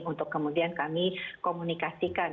untuk kemudian kami komunikasikan